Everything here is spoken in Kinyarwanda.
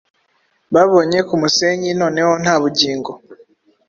Babonye kumusenyi noneho nta bugingo